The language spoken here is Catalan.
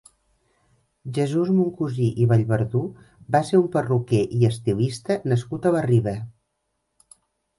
Jesús Moncusí i Vallverdú va ser un perruquer i estilista nascut a la Riba.